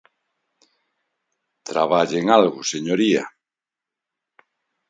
Traballen algo, señoría.